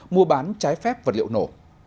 mua bán trái phép vật liệu nổ